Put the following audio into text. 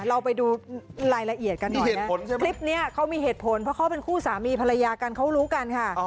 เราไปดูรายละเอียดกันหน่อยนะคลิปนี้เขามีเหตุผลเพราะเขาเป็นคู่สามีภรรยากันเขารู้กันค่ะ